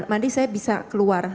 mandi saya bisa keluar